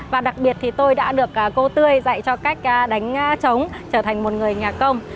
và đặc biệt thì tôi đã được cô tươi dạy cho cách đánh trống trở thành một người nhà công